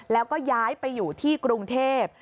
แล้วก็ย้ายไปอยู่ที่กรุงเทพ